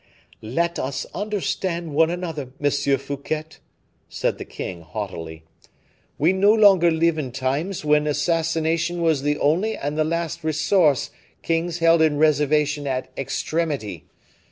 "Let us understand one another, Monsieur Fouquet," said the king, haughtily. "We no longer live in times when assassination was the only and the last resource kings held in reservation at extremity.